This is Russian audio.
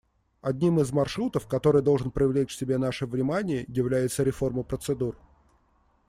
Одним из "маршрутов", который должен привлечь к себе наше внимание, является реформа процедур.